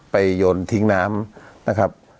โยนทิ้งน้ำนะครับ